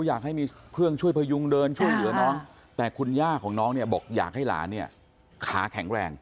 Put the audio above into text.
อยากให้มีเครื่องช่วยพยุงเดินช่วยเหลือน้องแต่คุณย่าของน้องเนี่ยบอกอยากให้หลานเนี่ยขาแข็งแรง